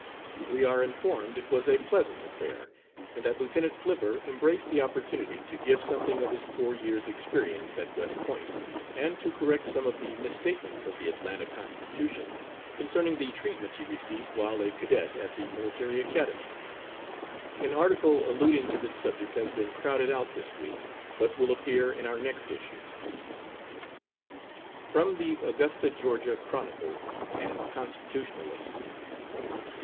"We are informed it was a pleasant affair, and that Lieutenant Flipper embraced the opportunity to give something of his four years' experience at West Point, and to correct some of the misstatements of the Atlanta Constitution concerning the treatment he received while a cadet at the Military Academy. An article alluding to this subject has been crowded out this week, but will appear in our next issue. (From the Augusta (Ga.) Chronicle and Constitutionalist.)